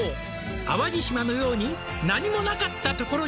「淡路島のように何もなかったところに」